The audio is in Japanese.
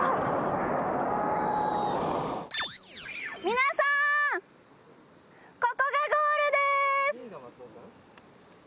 皆さんここがゴールです。